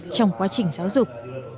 trong quá trình giáo dục